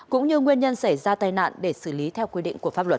cũng như nguyên nhân xảy ra tai nạn để xử lý theo quy định của pháp luật